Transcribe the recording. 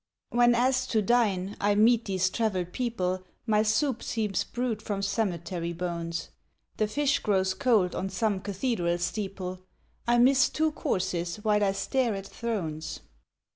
When asked to dine, to meet these traveled people, My soup seems brewed from cemetery bones. The fish grows cold on some cathedral steeple, I miss two courses while I stare at thrones.